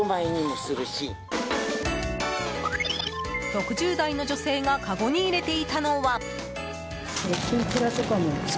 ６０代の女性がかごに入れていたのは。